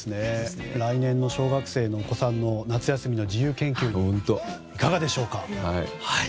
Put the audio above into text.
来年の小学生のお子さんの夏休みの自由研究にいかがでしょうか。